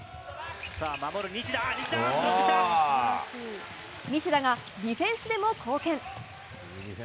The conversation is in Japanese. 西田がディフェンスでも貢献。